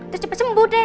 terus cepat sembuh deh